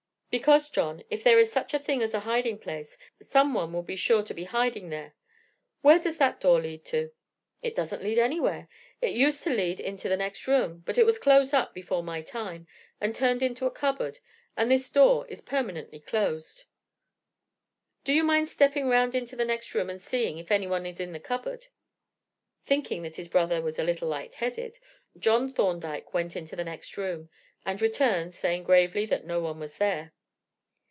"Because, John, if there is such a thing as a hiding place, someone will be sure to be hiding there. Where does that door lead to?" "It doesn't lead anywhere; it used to lead into the next room, but it was closed up before my time, and turned into a cupboard, and this door is permanently closed." "Do you mind stepping round into the next room and seeing if anyone is in the cupboard?" Thinking that his brother was a little light headed, John Thorndyke went into the next room, and returned, saying gravely that no one was there.